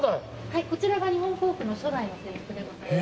はいこちらが日本航空の初代の制服でございます。